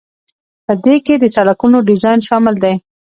په دې کې د سړکونو ډیزاین شامل دی.